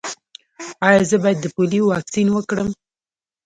ایا زه باید د پولیو واکسین وکړم؟